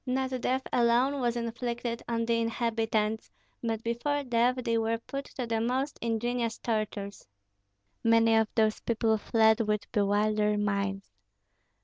Not death alone was inflicted on the inhabitants, but before death they were put to the most ingenious tortures. Many of those people fled with bewildered minds.